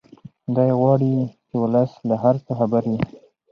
دی غواړي چې ولس له هر څه خبر وي.